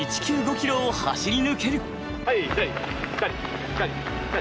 ｋｍを走り抜ける。